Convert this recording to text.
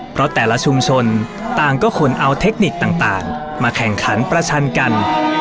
เพราะแต่ละชุมชนต่างก็ขนเอาเทคนิคต่างมาแข่งขันประชันกัน